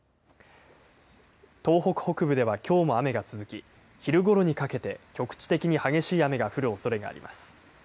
東北北部ではきょうも雨が続き昼ごろにかけて局地的に激しい雨が降るおそれがあります。